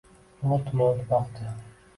Mo‘lt-mo‘lt boqdi.